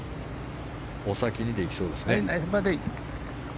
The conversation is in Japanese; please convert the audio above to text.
お先にで行きそうですね。